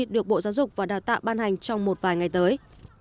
được bộ giáo dục và đào tạo ban hành trong một vài ngày tới